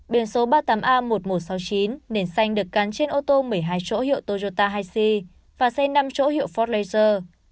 biển số ba mươi tám a một một sáu chín nền xanh được gắn trên ô tô một mươi hai chỗ hiệu toyota hi c và xe năm chỗ hiệu ford laser